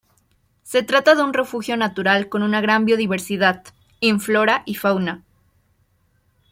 Se trata de un refugio natural con una gran biodiversidad, en flora y fauna.